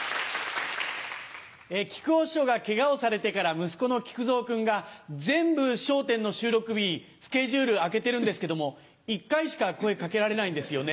木久扇師匠がケガをされてから息子の木久蔵君が「全部『笑点』の収録日スケジュール空けてるんですけども１回しか声掛けられないんですよね。